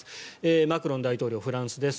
マクロン大統領、フランスです。